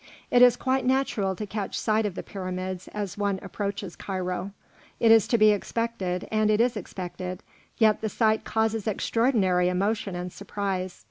It is quite natural to catch sight of the pyramids as one approaches Cairo; it is to be expected and it is expected, yet the sight causes extraordinary emotion and surprise.